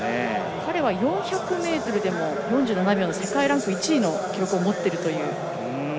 彼は４００ｍでも４７秒の世界ランク１位の記録を持っているという。